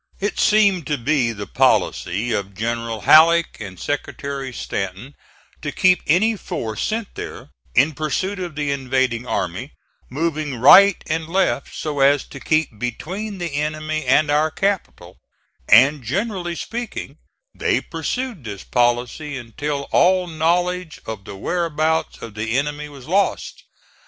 It seemed to be the policy of General Halleck and Secretary Stanton to keep any force sent there, in pursuit of the invading army, moving right and left so as to keep between the enemy and our capital; and, generally speaking, they pursued this policy until all knowledge of the whereabouts of the enemy was lost.